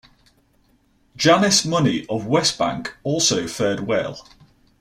Janice Money of Westbank also fared well.